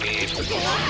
うわっ。